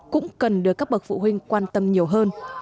cũng cần được các bậc phụ huynh quan tâm nhiều hơn